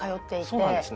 そうなんですね。